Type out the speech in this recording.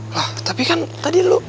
loh tapi kan tadi lu